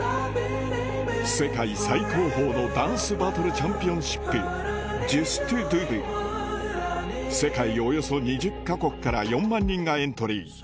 世界最高峰のダンスバトルチャンピオンシップ世界およそ２０か国から４万人がエントリー